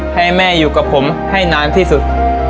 ให้แม่อยู่กับผมให้นานที่สุด